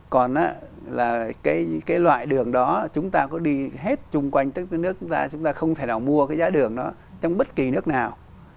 còn á cái loại đường đó chúng ta có đi hết chung quanh tất cả các nước ra chúng ta không thể nào mua cái giá đường đó trong bất kỳ nước nào